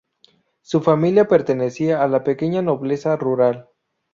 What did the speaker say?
Su familia pertenecía a la pequeña nobleza rural.